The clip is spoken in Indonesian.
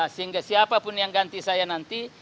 sehingga siapa pun yang ganti saya nanti